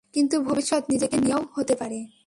কিন্তু ভবিষ্যত নিজেকে নিয়েও হতে পারে।